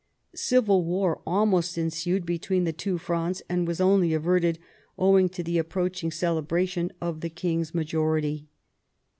Civil war almost ensued between the two Frondes, and was only averted owing to the approaching celebration of the king's majority.